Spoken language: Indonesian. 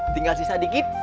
tinggal sisa dikit